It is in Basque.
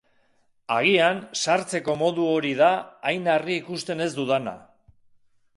Agian, sartzeko modu hori da hain argi ikusten ez dudana.